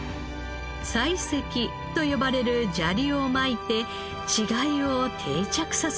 砕石と呼ばれる砂利をまいて稚貝を定着させる方法です。